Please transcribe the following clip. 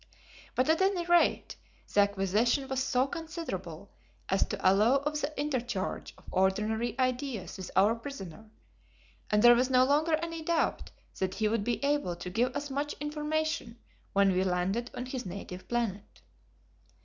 But, at any rate, the acquisition was so considerable as to allow of the interchange of ordinary ideas with our prisoner, and there was no longer any doubt that he would be able to give us much information when we landed on his native planet.